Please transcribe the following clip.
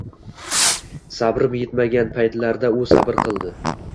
sabrim yetmagan paytlarda u sabr qildi.